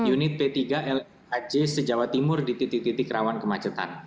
unit p tiga lhc sejawa timur di titik titik rawan kemacetan